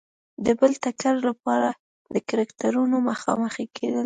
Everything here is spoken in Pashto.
د بل ټکر لپاره د کرکټرونو مخامخ کېدل.